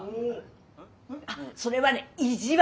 あっそれはね「意地悪」。